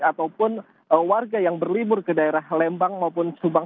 ataupun warga yang berlibur ke daerah lembang maupun subang